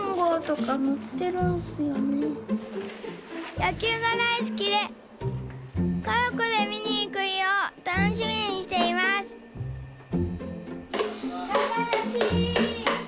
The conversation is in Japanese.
やきゅうがだいすきでかぞくでみにいくひをたのしみにしていますたかなし！